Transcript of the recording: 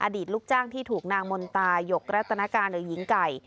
ตลูกจ้างที่ถูกนางมนตายกรัตนการหรือหญิงไก่